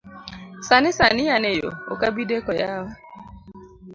Sani sani an eyo, ok abideko yawa.